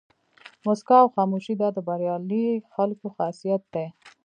موسکا او خاموشي دا د بریالي خلکو خاصیت دی.